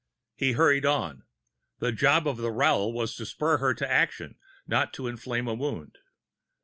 He hurried on; the job of the rowel was to spur her to action, not to inflame a wound.